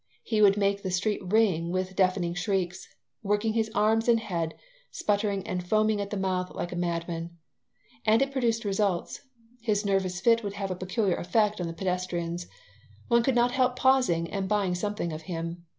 He would make the street ring with deafening shrieks, working his arms and head, sputtering and foaming at the mouth like a madman. And it produced results. His nervous fit would have a peculiar effect on the pedestrians. One could not help pausing and buying something of him.